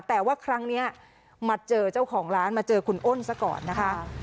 แต่ว่าครั้งนี้มาเจอเจ้าของร้านมาเจอคุณอ้นซะก่อนนะคะ